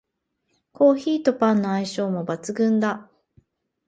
コーヒーとパンの相性も抜群だ